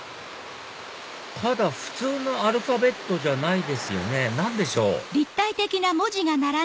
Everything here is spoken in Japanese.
ただ普通のアルファベットじゃないですよね何でしょう？